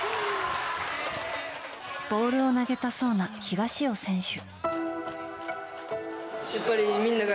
ボールを投げたそうな東尾選手。